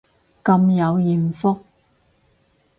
咁有艷福